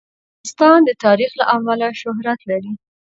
افغانستان د تاریخ له امله شهرت لري.